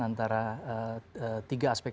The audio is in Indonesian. antara tiga aspek